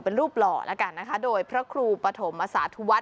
เป็นรูปหล่อแล้วกันนะคะโดยพระครูปฐมอสาธุวัฒ